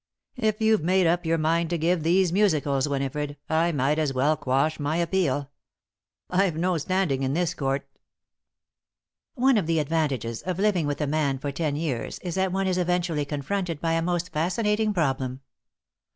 If you've made up your mind to give these musicals, Winifred, I might as well quash my appeal. I've no standing in this court." One of the advantages of living with a man for ten years is that one is eventually confronted by a most fascinating problem.